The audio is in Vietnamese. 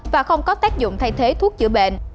và không có tác dụng thay thế thuốc chữa bệnh